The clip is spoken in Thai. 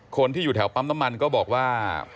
คนที่อยู่แถวปั๊มน้ำมันก็บอกว่า